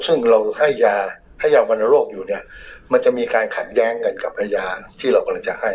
ซึ่งเราให้ยาให้ยาวรรณโรคอยู่เนี่ยมันจะมีการขัดแย้งกันกับพญาที่เรากำลังจะให้